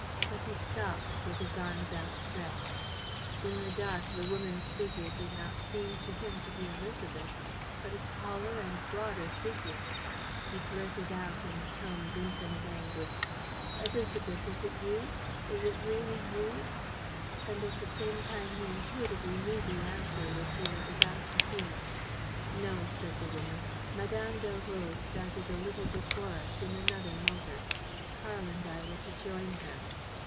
But he stopped, with his arms outstretched. In the dark, the woman's figure did not seem to him to be Élisabeth's, but a taller and broader figure. He blurted out, in a tone of infinite anguish: "Élisabeth ... is it you? ... Is it really you? ..." And at the same time he intuitively knew the answer which he was about to hear: "No," said the woman, "Mme. Delroze started a little before us, in another motor. Karl and I were to join her."